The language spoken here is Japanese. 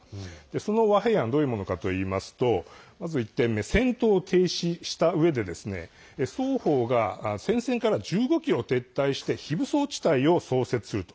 その和平案どういうものかといいますとまず１点目戦闘を停止したうえで双方が戦線から１５ｋｍ撤退して非武装地帯を創設すると。